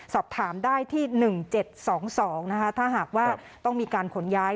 สอบถามได้ที่๑๗๒๒นะคะถ้าหากว่าต้องมีการขนย้าย